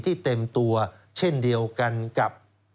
เต็มตัวเช่นเดียวกันกับ